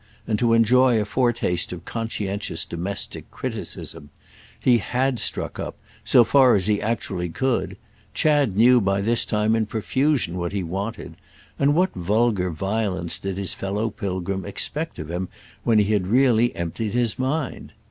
and to enjoy a foretaste of conscientious domestic criticism. He had struck up, so far as he actually could; Chad knew by this time in profusion what he wanted; and what vulgar violence did his fellow pilgrim expect of him when he had really emptied his mind?